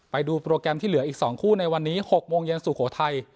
ไปดูโปรแกรมที่เหลืออีก๒คู่ในวันนี้๖โมงเย็นสุโขทัย